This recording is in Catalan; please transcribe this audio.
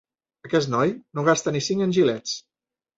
Aquest noi no gasta ni cinc en gilets.